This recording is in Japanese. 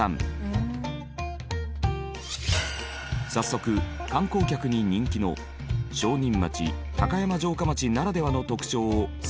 早速観光客に人気の商人町高山城下町ならではの特徴を探しに行く事に。